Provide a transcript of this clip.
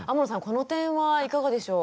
この点はいかがでしょう？